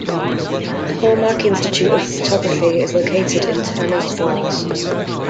The Hallmark Institute of Photography is located in Turners Falls.